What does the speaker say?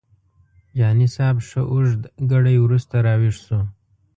جهاني صاحب ښه اوږد ګړی وروسته راویښ شو.